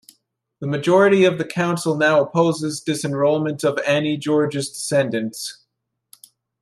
The majority of the council now opposes disenrollment of Annie George's descendants.